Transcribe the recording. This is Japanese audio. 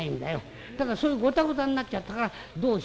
だからそういうゴタゴタになっちゃったからどうしようかて」。